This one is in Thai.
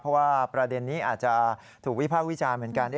เพราะว่าประเด็นนี้อาจจะถูกวิภาควิจารณ์เหมือนกัน